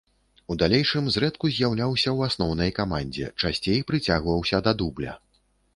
У далейшым зрэдку з'яўляўся ў асноўнай камандзе, часцей прыцягваўся да дубля.